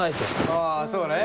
「ああそうね」